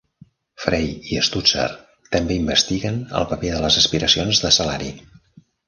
Frey i Stutzer també investiguen el paper de les aspiracions de salari.